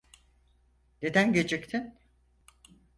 Neden geciktin?